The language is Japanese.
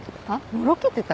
のろけてた？